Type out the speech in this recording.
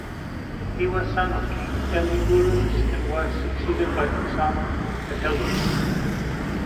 He was a son of King Elidurus and was succeeded by his son Catellus.